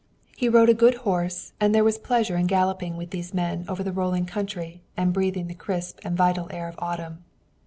He rode a good horse and there was pleasure in galloping with these men over the rolling country, and breathing the crisp and vital air of autumn.